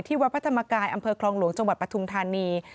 วัดพระธรรมกายอำเภอคลองหลวงจังหวัดปทุมธานี